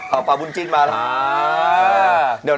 เอาปลาบุ้นจิ้นมาแล้ว